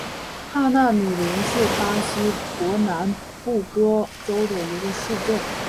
帕纳米林是巴西伯南布哥州的一个市镇。